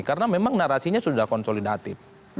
karena memang narasinya sudah konsolidatif